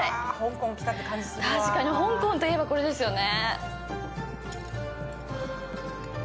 確かに、香港といえばこれですよね。